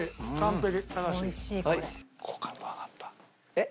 えっ？